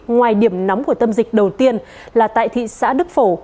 ngoài điểm nóng của tâm dịch đầu tiên là tại thị xã đức phổ